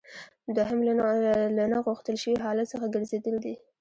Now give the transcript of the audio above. دوهم له نه غوښتل شوي حالت څخه ګرځیدل دي.